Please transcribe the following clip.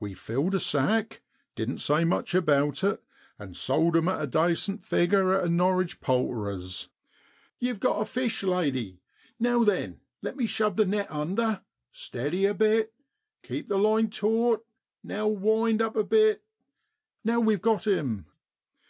We filled a sack, didn't say much about it, and sold 'em at a dacent figure at a Norwich poulterer's. Yew've got a fish, lady! Now then, let me shove the net under; steady a bit keep the line taut, now wind up a bit. Now we've got him